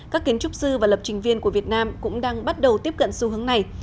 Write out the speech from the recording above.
các kiến trúc sư và lập trình viên của việt nam cũng đang bắt đầu tiếp cận xu hướng này